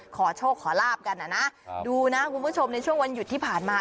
ขอโชคขอลาบกันนะนะดูนะคุณผู้ชมในช่วงวันหยุดที่ผ่านมา